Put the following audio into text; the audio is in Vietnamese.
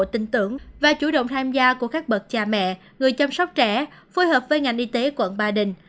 tin tưởng và chủ động tham gia của các bậc cha mẹ người chăm sóc trẻ phối hợp với ngành y tế quận ba đình